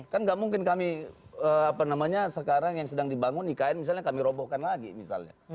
kan gak mungkin kami sekarang yang sedang dibangun nikahin misalnya kami robohkan lagi misalnya